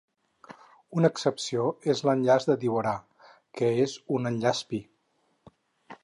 Una excepció és l'enllaç de diborà, que és un enllaç pi.